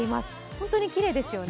本当にきれいですよね。